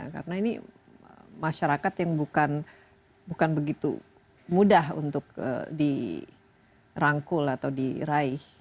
karena ini masyarakat yang bukan begitu mudah untuk dirangkul atau diraih